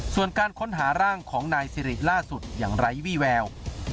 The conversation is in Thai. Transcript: ส่วนการค้นหาร่างของนายสิริล่าสุดอย่างไร้วี่แวว